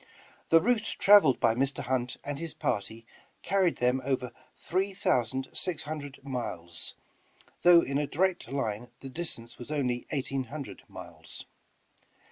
The route traveled by Mr. Hunt and his party carried them over three thousand six hundred miles, though in a direct line the distance was only eighteen hundred miles.